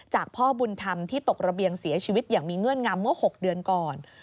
พ่อบุญธรรมที่ตกระเบียงเสียชีวิตอย่างมีเงื่อนงำเมื่อ๖เดือนก่อน